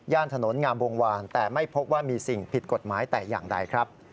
ถนนงามวงวานแต่ไม่พบว่ามีสิ่งผิดกฎหมายแต่อย่างใดครับ